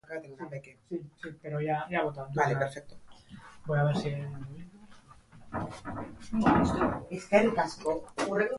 Mattiak lepoko zainak nola puzten zitzaizkion sentitu zuen.